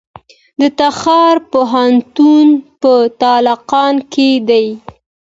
د تخار پوهنتون په تالقان کې دی